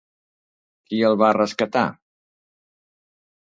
Qui el va rescatar?